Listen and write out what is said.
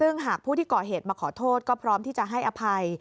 ซึ่งหากผู้ที่ก่อเหตุมาขอโทษก็พร้อมที่จะให้อภัย